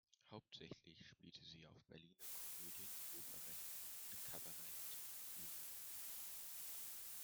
Hauptsächlich spielte sie auf Berliner Komödien-, Operetten- und Kabarettbühnen.